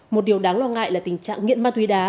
một điều đáng lo ngại là tình trạng nghiện ma túy đá